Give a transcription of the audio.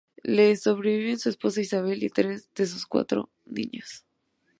Le sobreviven su esposa Isabel, y tres de sus cuatro niños.